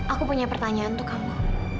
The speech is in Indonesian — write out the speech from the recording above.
aku punya pertanyaan untuk kamu